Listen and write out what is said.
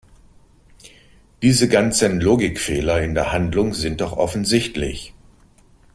Diese ganzen Logikfehler in der Handlung sind doch offensichtlich!